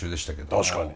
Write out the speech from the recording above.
確かに。